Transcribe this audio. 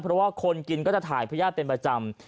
เพราะว่าคนกินก็จะถ่ายพญาติเป็นประจำ